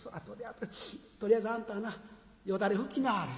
とりあえずあんたはなよだれ拭きなはれ。